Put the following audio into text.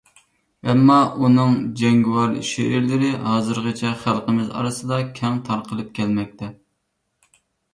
ئەمما، ئۇنىڭ جەڭگىۋار شېئىرلىرى، ھازىرغىچە خەلقىمىز ئارىسىدا كەڭ تارقىلىپ كەلمەكتە.